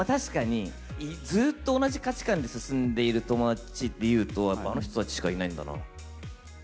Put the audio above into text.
確かに、ずっと同じ価値観で進んでいる友達でいうと、やっぱりあの人たちしかいないんだな。